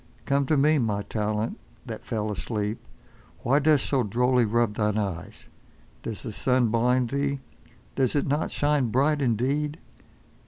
Come to me my Talent that fell asleep. Why dost so drolly rub thine eyes. Does the sun blind thee? Does it not shine bright indeed?